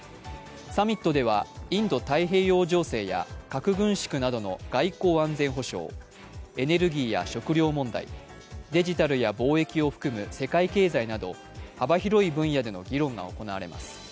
サミットではインド太平洋情勢や核軍縮などの外交・安全保障、エネルギーや食糧問題、デジタルや貿易を含む世界経済など幅広い分野での議論が行われます。